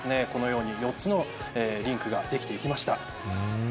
このように４つのリンクができていきました。